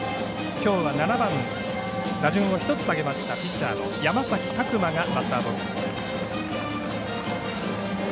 きょうは７番打順を１つ下げましたピッチャーの山崎琢磨がバッターボックスです。